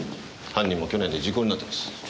犯人も去年で時効になってます。